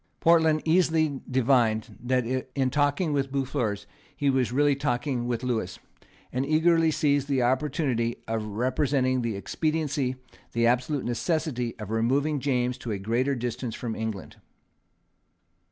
Portland easily divined that in talking with Boufflers he was really talking with Lewis, and eagerly seized the opportunity of representing the expediency, the absolute necessity, of removing James to a greater distance from England.